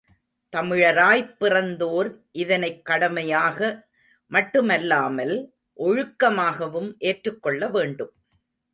தமிழராய்ப் பிறந்தோர் இதனைக் கடமையாக மட்டுமல்லாமல் ஒழுக்கமாகவும் ஏற்றுக்கொள்ள வேண்டும்.